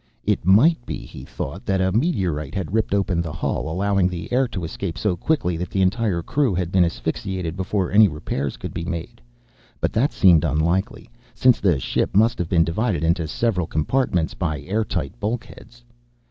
It might be, he thought, that a meteorite had ripped open the hull, allowing the air to escape so quickly that the entire crew had been asphyxiated before any repairs could be made. But that seemed unlikely, since the ship must have been divided into several compartments by air tight bulkheads.